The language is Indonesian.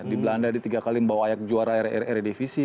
di belanda di tiga kali membawa ayak juara rr divisi